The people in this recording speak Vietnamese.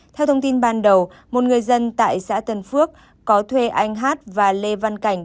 theo thông tin ban đầu một người dân tại xã tân phước có thuê anh hát và lê văn cảnh